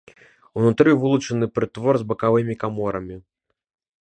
Унутры вылучаны прытвор з бакавымі каморамі.